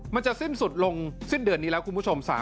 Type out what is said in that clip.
มันจะสิ้นสุดลงสิ้นเดือนนี้แล้วคุณผู้ชม